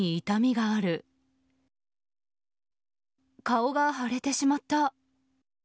顔が腫れてしまった。